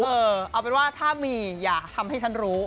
เออเอาเป็นว่าถ้ามีอย่าทำให้ฉันรู้